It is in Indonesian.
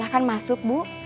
silahkan masuk bu